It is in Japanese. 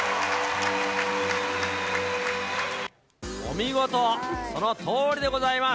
お見事、そのとおりでございます。